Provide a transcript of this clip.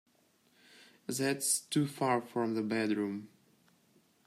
That's too far from the bedroom.